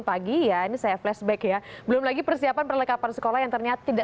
pagi ya ini saya flashback ya belum lagi persiapan perlengkapan sekolah yang ternyata tidak